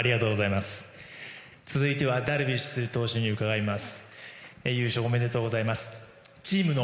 続いてはダルビッシュ投手に伺います。